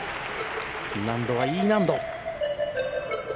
難度はＥ難度。